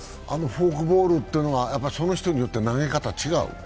あのフォークボールというのは、その人によって投げ方違う？